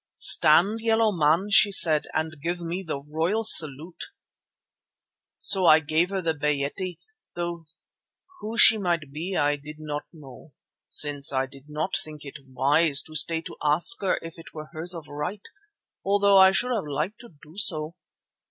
"'Stand, yellow man!' she said, 'and give me the royal salute.' "So I gave her the Bayéte, though who she might be I did not know, since I did not think it wise to stay to ask her if it were hers of right, although I should have liked to do so.